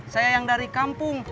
saya yang dari kampung